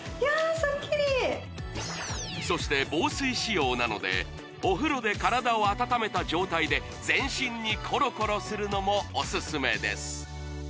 すっきりそして防水仕様なのでお風呂で体を温めた状態で全身にコロコロするのもオススメです！